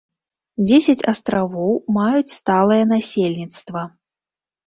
Дзесяць астравоў маюць сталае насельніцтва.